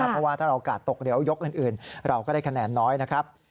เพราะว่าถ้าเรากาดตกเดี๋ยวยกอื่นเราก็ได้คะแนนน้อยนะครับ